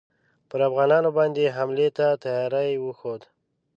پر افغانانو باندي حملې ته تیاری وښود.